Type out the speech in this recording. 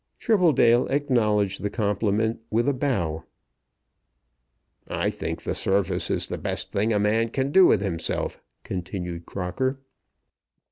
Tribbledale acknowledged the compliment with a bow. "I think the Service is the best thing a man can do with himself," continued Crocker.